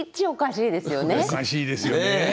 おかしいですよね。